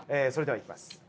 それではいきます。